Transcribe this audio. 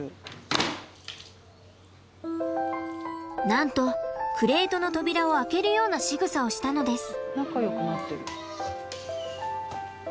なんとクレートの扉を開けるようなしぐさをしたのです。